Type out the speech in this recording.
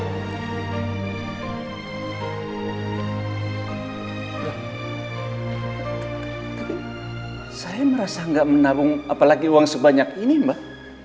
tapi saya merasa nggak menabung apalagi uang sebanyak ini mbak